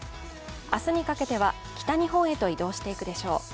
明日にかけては、北日本へと移動していくでしょう。